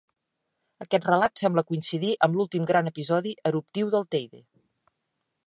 Aquest relat sembla coincidir amb l'últim gran episodi eruptiu del Teide.